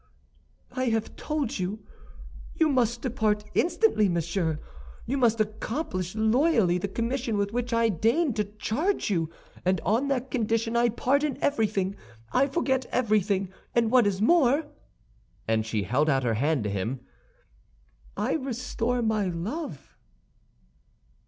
"I have told you. You must depart instantly, monsieur. You must accomplish loyally the commission with which I deign to charge you, and on that condition I pardon everything, I forget everything; and what is more," and she held out her hand to him, "I restore my love."